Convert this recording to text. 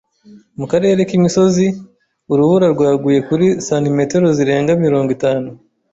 Mu karere k'imisozi, urubura rwaguye kuri santimetero zirenga mirongo itanu.